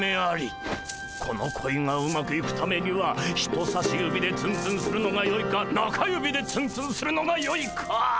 この恋がうまくいくためには人さし指でツンツンするのがよいか中指でツンツンするのがよいか。